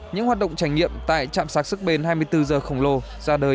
những hoạt động trải nghiệm tại chạm sát sức bền hai mươi bốn h khổng lồ ra đời